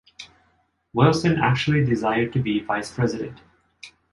Wilson actually desired to be Vice President.